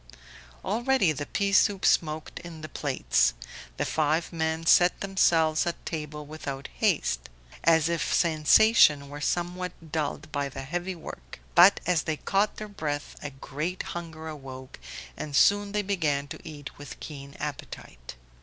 Already the pea soup smoked in the plates. The five men set themselves at table without haste, as if sensation were somewhat dulled by the heavy work; but as they caught their breath a great hunger awoke, and soon they began to eat with keen appetite.